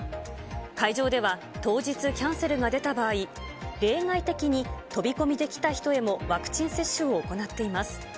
会場では当日キャンセルが出た場合、例外的に飛び込みで来た人へもワクチン接種を行っています。